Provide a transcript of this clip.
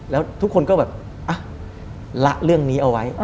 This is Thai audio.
แล้วทุกคนก็แบบละเรื่องนี้เอาไว้